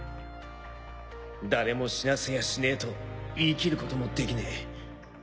誰も死なせやしねえと言い切ることもできねえ。